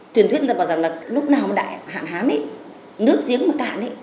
truyền thuyết bảo rằng là lúc nào mà đại hạn hán nước giếng mà cạn